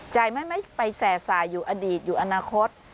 ใจไม่ไปแสสายอยู่อดีตอยู่อนาคต